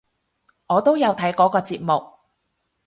我都有睇嗰個節目！